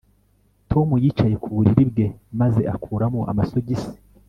Tom yicaye ku buriri bwe maze akuramo amasogisi